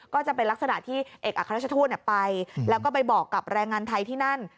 ก็จะเป็นลักษณะที่เอกอัครราชทูตไปแล้วก็ไปบอกกับแรงงานไทยที่นั่น